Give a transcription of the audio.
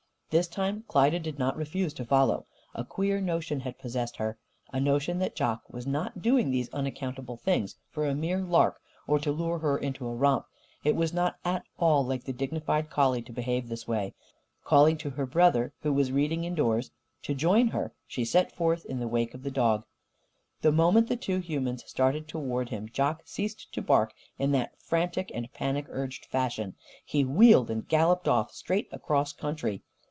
This time Klyda did not refuse to follow. A queer notion had possessed her a notion that Jock was not doing these unaccountable things for a mere lark or to lure her into a romp. It was not at all like the dignified collie to behave this way. Calling to her brother who was reading, indoors to join her, she set forth in the wake of the dog. The moment the two humans started toward him, Jock ceased to bark in that frantic and panic urged fashion. He wheeled and galloped off, straight across country.